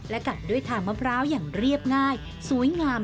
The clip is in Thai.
กัดด้วยทางมะพร้าวอย่างเรียบง่ายสวยงาม